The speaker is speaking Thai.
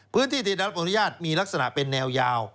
พื้นที่ที่ได้รับอนุญาตมีลักษณะเป็นแนวยาว